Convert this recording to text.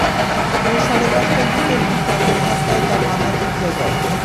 ভোর সাড়ে পাঁচটার দিকে একটি ট্রাকের ধাক্কায় তার মাথা থেঁতলে যায়।